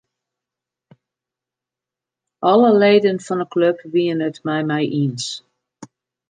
Alle leden fan 'e klup wiene it mei my iens.